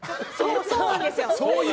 そうなんですよ。